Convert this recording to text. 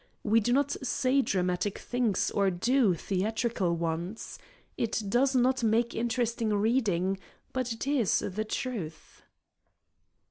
We do not say dramatic things or do theatrical ones. It does not make interesting reading, but it is the truth."